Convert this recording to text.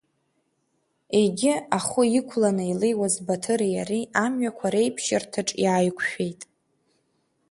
Егьи ахәы иқәланы илеиуаз Баҭыри иареи амҩақәа реиԥшьырҭаҿ иааиқәшәеит.